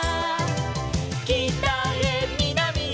「きたへみなみへ」